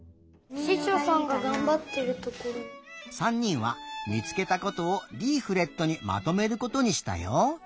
３にんはみつけたことをリーフレットにまとめることにしたよ。